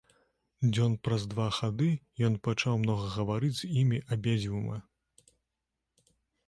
Дзён праз два хады ён пачаў многа гаварыць з імі абедзвюма.